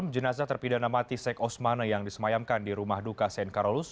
jenazah terpidana mati sek osmane yang disemayamkan di rumah duka st carolus